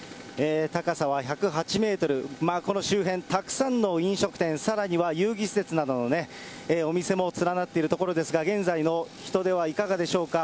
高さは１０８メートル、この周辺、たくさんの飲食店、さらには遊戯施設などのお店も連なっている所ですが、現在の人出はいかがでしょうか。